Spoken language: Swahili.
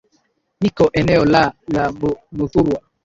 niko eneo laa la muthurwa